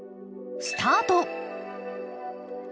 スタート！